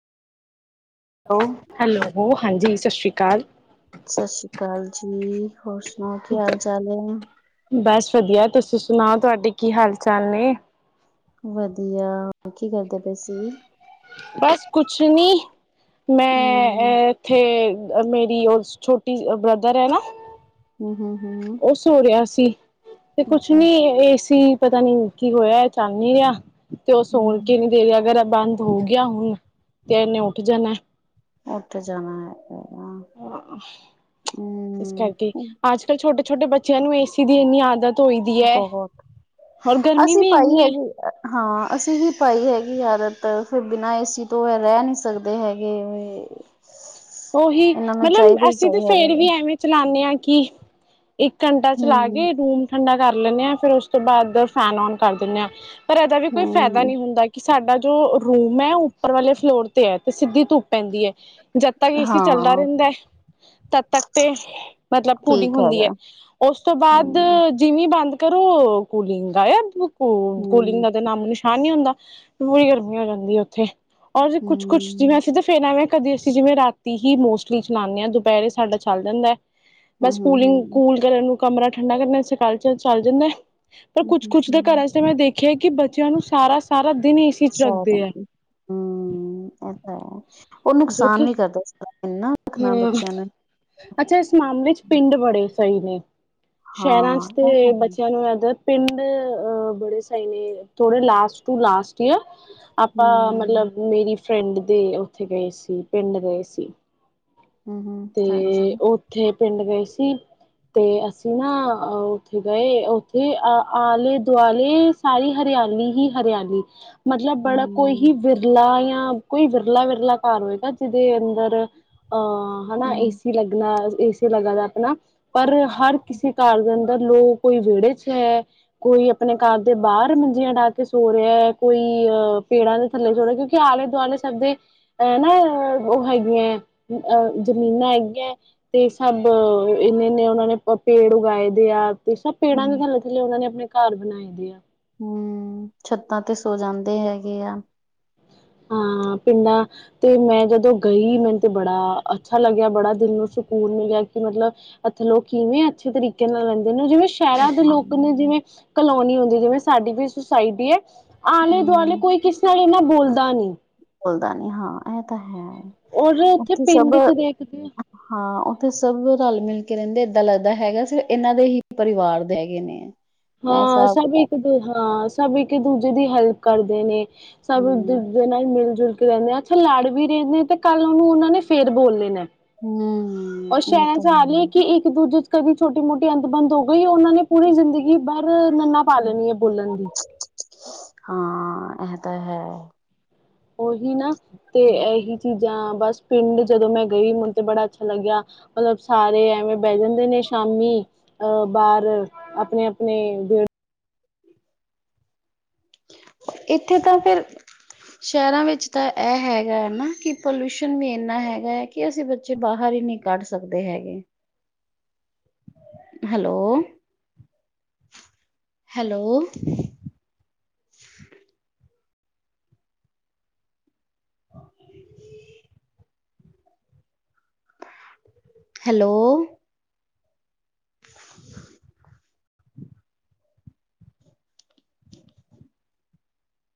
Hello? Hello, ਹਾਂਜੀ ਸਤਿ ਸ਼੍ਰੀ ਅਕਾਲ। ਸਤਿ ਸ੍ਰੀ ਅਕਾਲ ਜੀ, ਹੋਰ ਸੁਣਾਓ ਕੀ ਹਾਲ ਚਾਲ ਏ? ਬਸ ਵਧੀਆ ਤੁਸੀਂ ਸੁਣਾਓ ਤੁਹਾਡੇ ਕੀ ਹਾਲ ਚਾਲ ਨੇ ਵਧੀਆ ਕੀ ਕਰਦੇ ਪਏ ਸੀ ਬਸ ਕੁਛ ਨੀ ਮੈਂ ਹਮ ਅ ਇੱਥੇ ਮੇਰੀ ਛੋਟੀ ਬ੍ਰਦਰ ਹੈ ਨਾ ਹਮ ਹਮ ਹਮ ਉਹ ਸੋ ਰਿਹਾ ਸੀ ਤੇ ਕੁਛ ਅੱਛਾ ਨੀ ਇਹ ਸੀ ਪਤਾ ਨੀ ਕੀ ਹੋਇਆ ਚੱਲ ਨੀ ਰਿਹਾ ਤੇ ਉਹ ਸਣ ਕੇ ਹਮ ਨੀ ਦੇ ਰਿਹਾ ਅਗਰ ਬੰਦ ਹੋ ਗਿਆ ਹੁਣ ਤੇ ਇਹਨੇ ਉੱਠ ਜਾਣਾ ਉੱਡ ਜਾਣਾ ਹੈਗਾ ਇਸ ਹਮ ਕਰਕੇ ਅੱਜ ਕੱਲ ਛੋਟੇ ਛੋਟੇ ਬੱਚਿਆਂ ਨੂੰ ਏਸੀ ਦੀ ਇੰਨੀ ਆਦਤ ਹੋਈ ਦੀ ਹੈ ਬਹੁਤ ਹੋਰ ਗਰਮੀ ਅਸੀਂ ਵੀ ਪਾਈ ਇੰਨੀ ਹੈ ਹੈਗੀ ਹਾਂ ਅਸੀਂ ਹੀ ਪਾਈ ਹੈਗੀ ਆਦਤ ਫਿਰ ਬਿਨਾਂ ਏਸੀ ਤੋਂ ਰਹਿ ਨਹੀਂ ਸਕਦੇ ਹੈਗੇ ਉਹੀ ਇਹਨਾਂ ਨੂੰ ਚਾਹੀਦਾ ਮਤਲਬ ਹੀ ਅਸੀਂ ਤੇ ਚਾਹੀਦਾ ਫੇਰ ਹੈਗਾ ਵੀ ਐਵੇਂ ਚਲਾਉਦੇ ਆ ਕਿ ਇੱਕ ਘੰਟਾ ਚਲਾ ਗ ਹਮ ਰੂਮ ਠੰਡਾ ਕਰ ਲੈਂਣੇ ਹਾਂ, ਫਿਰ ਉਸ ਤੋਂ ਬਾਅਦ ਫੈਨ ਔਨ, ਕਰ ਦਿੰਨੇ ਆ ਪਰ ਇਹਦਾ ਵੀ, ਕੋਈ ਫਾਇਦਾ ਹਮ ਨਹੀਂ ਹੁੰਦਾ, ਕਿ ਸਾਡਾ ਜੋ ਰੂਮ ਮੈ ਉੱਪਰ ਵਾਲੇ ਫਲੋਰ ਤੇ ਹਾ ਤੇ ਸਿੱਧੀ ਧੁੱਪ ਪੈਂਦੀ ਹੈ ਤਾਇਓ ਏ ਸੀ ਚੱਲਦਾ ਹਾਂ ਰਹਿੰਦਾ ਤਦ ਤੱਕ ਤੇ ਮਤਲਬ ਪੂਨੀ ਠੀਕ ਹੁੰਦੀ ਏ ਹੈ ਹੈਗਾ ਉਸ ਤੋਂ ਬਾਅਦ ਹਮ ਜਿਵੇਂ ਬੰਦ ਕਰੋ ਕੂਲਿੰਗ ਗ਼ਾਇਬ ਹਮ ਕੂਲਿੰਗ ਦਾ ਤਾਂ ਨਾਮ ਐ ਨਈ ਹੁੰਦਾ ਪੂਰੀ ਗਰਮੀ ਹੋ ਜਾਂਦੀ ਹੈ ਉੱਥੇ ਕੁਛ ਕੁਛ ਜਿਵੇਂ ਅਸੀਂ ਤਾਂ ਫਿਰ ਆ ਐਵੇਂ ਕਰਦੇ ਸੀ ਜਿਵੇਂ ਰਾਤੀ ਹੀ ਮੋਸਟਲੀ ਚਲਾਉਂਦੇ ਹਾਂ ਦੁਪਹਿਰੇ ਸਾਡਾ ਚੱਲ ਜਾਂਦਾ ਹੈ ਬਸ ਕੂਲਿੰਗ ਕੂਲ ਕਰਨ ਨੂੰ ਕਮਰਾ ਠੰਡਾ ਕਰਨਾ ਸੀ ਕੱਲ ਚੱਲ ਚੱਲ ਜਾਂਦਾ ਪਰ ਕੁਛ ਕੁਛ ਦੇ ਘਰਾਂ ਚ ਮੈਂ ਦੇਖਿਆ ਕਿ ਬੱਚਿਆਂ ਨੂੰ ਸਾਰਾ ਸਾਰਾ ਦਿਨ ਏ ਸੀ ਸਾਧਨ ਹੂ ਉਹ ਨੁਕਸਾਨ ਵੀ ਕਰਦਾਾ ਇਸ ਤਰ੍ਹਾਂ ਹਨਾ। ਹੂ ਅੱਛਾ ਇਸ ਮਾਮਲੇ ਚ ਪਿੰਡ ਬੜੇ ਸਹੀ ਨੇ ਸ਼ਹਿਰਾਂ ਹਾਂ ਚ ਉਹ ਤਾਂ ਤੇ ਹੈ ਬੱਚਿਆਂ ਨੂੰ ਆਦਤ ਪਿੰਡ ਬੜੇ ਸਹੀ ਨੇ ਥੋੜੇ ਲਾਸਟ ਟੂ ਲਾਸਟ ਈਅਰ ਆਪਾਂ ਹੂੰ ਮਤਲਬ ਮੇਰੀ ਫਰੈਂਡ ਦੇ ਉੱਥੇ ਗਏ ਸੀ ਪਿੰਡ ਗਏ ਸੀ। ਹੂ ਹੂ ਹਾਂਜੀ ਤੇ ਉੱਥੇ ਪਿੰਡ ਗਏ ਸੀ। ਤੇ ਅਸੀਂ ਨਾ ਉੱਥੇ ਗਏ ਉੱਥੇ ਅ ਆਲੇ ਦੁਆਲੇ ਸਾਰੀ ਹਰਿਆਲੀ ਹੀ ਹਰਿਆਲੀ ਮਤਲਬ ਬੜਾ ਕੋਈ ਹੂੰ ਹੀਕਿ ਵਿਰਲਾ ਜਾਂ ਕੋਈ ਵਿਰਲਾ ਵਿਰਲਾ ਘਰ ਹੋਏਗਾ ਜਿਹਦੇ ਅੰਦਰ ਅਹ ਹਨਾ ਏ ਹੂੰ ਸੀ ਲੱਗਣਾ ਏ ਸੀ ਲੱਗਾਣਾ ਆਪਣਾ ਪਰ ਹਰ ਕਿਸੇ ਘਰ ਦੇ ਅੰਦਰ ਲੋਕ ਕੋਈ ਵਿਹੜੇ ਚ ਤੇ ਕੋਈ ਆਪਣੇ ਘਰ ਦੇ ਬਾਹਰ ਮੰਜੀਆਂ ਡਾਹ ਕੇ ਸੋ ਰਿਹਾ ਹੈ। ਕੋਈ ਅਹ ਪੇੜਾਂ ਦੇ ਥੱਲੇ ਜੋੜੇ ਆਲੇ ਦੁਆਲੇ ਸਭ ਦੇਹ ਨਾ ਉਹ ਹੈਗੀ ਹੈ ਅ ਜ਼ਮੀਨਾਂ ਹੈਗੀਆਂ ਤੇ ਸਭ ਇੰਨੇ ਇੰਨੇ ਉਹਨਾਂ ਨੇ ਪੇੜ ਉਗਾਏ ਦੇ ਆ ਤੇ ਸਭ ਪੇੜਾਂ ਵੀ ਹੂੰ, ਥੱਲੇ ਥੱਲੇ ਉਹਨਾਂ ਨੇ ਆਪਣੇ ਘਰ ਬਣਾਏ ਦੇ ਆ ਹਮ ਛੱਤਾਂ ਤੇ ਸੋ ਜਾਂਦੇ ਹੈਗੇ ਆ ਹਾਂ ਪਦਾ ਤੇ ਮੈਂ ਜਦੋਂ ਗਈ ਮੈਨੂੰ ਤੇ ਬੜਾ ਅੱਛਾ ਲੱਗਿਆ ਬੜਾ ਦਿਲ ਨੂੰ ਸਕੂਨ ਮਿਲਿਆ ਕਿ ਮਤਲਬ ਅੱਥ ਲੋਕ ਕਿਵੇਂ ਅੱਛੇ ਤਰੀਕੇ ਨਾਲ ਰਹਿੰਦੇ ਨੇ ਜਿਵੇਂ ਸ਼ਹਿਰਾਂ ਦੇ ਹਾਂ ਲੋਕ ਨੇ ਜਿਵੇਂ ਕਲੋਨੀ ਹੁੰਦੀ ਜਿਵੇਂ ਸਾਡੀ ਵੀ ਸੁਸਾਇਟੀ ਹੈ। ਆਲੇ ਦੁਆਲੇ ਹੂੰ ਕੋਈ ਕਿਸੇ ਨਾਲ ਇੰਨਾ ਬੋਲਦਾ ਨਹੀਂ। ਬੋਲਦਾ ਨੀ ਹਾਂ ਇਹ ਤਾਂ ਹੈ। ਔਰ ਉੱਥੇ ਪਿੰਡ ਚ ਦੇਖਦੇ ਹਾਂ ਉੱਥੇ ਸਭ ਰਲ ਮਿਲ ਕੇ ਰਹਿੰਦੇ ਏਦਾਂ ਲੱਗਦਾ ਹੈਗਾ ਸ ਇਹਨਾਂ ਦੇ ਹੀ ਪਰਿਵਾਰ ਦੇ ਹੈਗੇ ਨੇ ਇਹ ਹਾਂ ਹਿਸਾਬ ਸਭ ਕਿਤਾਬ ਇੱਕ ਦੂ ਹਾਂ ਸਭ ਇੱਕ ਦੂਜੇ ਦੀ ਹੈਲਪਕਰਦੇ ਨੇ ਸਭ ਨੂੰ ਹੂੰ ਦੂਜੇ ਨਾਲ ਹੀ ਮਿਲ ਜੁਲ ਕੇ ਲੜਨਾ ਤੇ ਲੜ ਵੀ ਰਹਦੇ ਤੇ ਕੱਲ ਉਹਨੂੰ ਉਹਨਾਂ ਨੇ ਫੇਰ ਬੋਲ ਲੈਣਾ ਹੂੰ ਉ ਉਹ ਸਹਿਣ ਤਾਂ ਸਾਹ ਹੈ ਕਿ ਇੱਕ ਦੂਜੇ ਚ ਕਦੀ ਛੋਟੀ ਮੋਟੀ ਅੰਤ ਬੰਦ ਹੋ ਗਈ ਉਹਨਾਂ ਨੇ ਪੂਰੀ ਜ਼ਿੰਦਗੀ ਬਰ ਨੰਨਾ ਪਾ ਲੈਣੀ ਹੈ ਬੋਲਣ ਦੀ ਹਾਂ ਇਹ ਤਾਂ ਹੈ ਉਹੀ ਨਾ ਤੇ ਇਹੀ ਚੀਜ਼ਾਂ ਬਸ ਪਿੰਡ ਜਦੋਂ ਮੈਂ ਗਈ ਮੈਨੂੰ ਤੇ ਬੜਾ ਅੱਛਾ ਲੱਗਿਆ ਮਤਲਬ ਸਾਰੇ ਐਵੇਂ ਬਹਿ ਜਾਂਦੇ ਨੇ ਸ਼ਾਮੀ ਅਹ ਬਾਹਰ ਆਪਣੇ ਆਪਣੇ ਇੱਥੇ ਤਾਂ ਫਿਰ ਸ਼ਹਿਰਾਂਵਿੱਚ ਤਾਂ ਇਹ ਹੈਗਾ ਨਾ ਕਿ ਪੋਲਊਸ਼ਨ ਵੀ ਇੰਨਾ ਹੈਗਾ ਏ ਕਿ ਅਸੀਂ ਬੱਚੇ ਬਾਹਰ ਹੀ ਨਹੀਂ ਕੱਢ ਸਕਦੇ ਹੈਗੇ? Hello hello? ਹੈਲੋ, [inaudible]